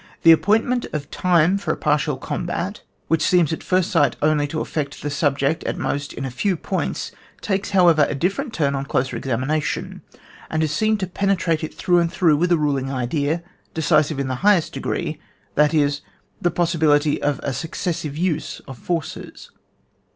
The appointment of time for a partial combat, which seems at first sight only to affect the subject at most in a lew points, takes, however, a different turn on closer examination, and is seen to penetrate it through and through with a ruling idea, decisive in the highest degreOi that is, the possibility of a successive use of forces.